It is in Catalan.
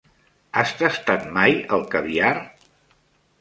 Has tastat mai el caviar?